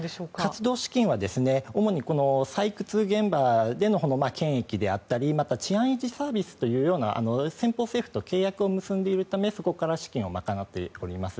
活動資金は主に採掘現場での権益であったり治安維持サービスというような先方政府と契約を結んでいるためそこから資金を賄っております。